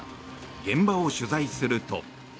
現場を取材すると。